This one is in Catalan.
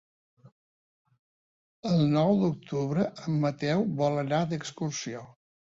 El nou d'octubre en Mateu vol anar d'excursió.